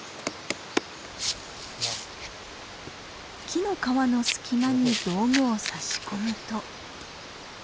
木の皮の隙間に道具を差し込むと。